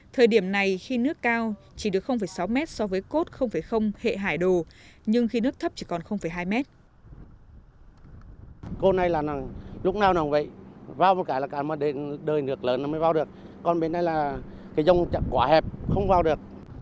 thời điểm này khi nước cao chỉ được sáu mét so với cốt hệ hải đồ nhưng khi nước thấp chỉ còn hai mét